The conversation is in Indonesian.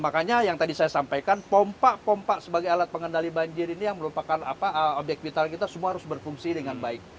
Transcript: makanya yang tadi saya sampaikan pompa pompa sebagai alat pengendali banjir ini yang merupakan obyek vital kita semua harus berfungsi dengan baik